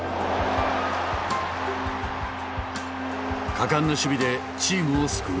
果敢な守備でチームを救う。